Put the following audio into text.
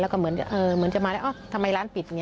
แล้วก็เหมือนจะมาแล้วทำไมร้านปิด